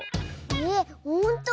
えっほんと⁉